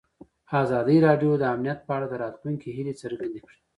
ازادي راډیو د امنیت په اړه د راتلونکي هیلې څرګندې کړې.